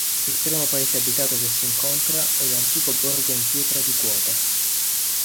Il primo paese abitato che si incontra è l'antico borgo in pietra di Quota.